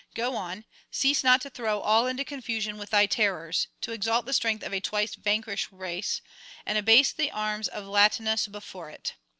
Go on; cease not to throw all into confusion with thy terrors, to exalt the strength of a twice vanquished race, and abase the arms of Latinus before it.